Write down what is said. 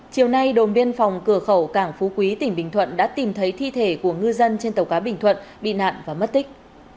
chiều nay đồn biên phòng cửa khẩu cảng phú quý tỉnh bình thuận đã tìm thấy thi thể của ngư dân trên tàu cá bình thuận bị nạn và mất tích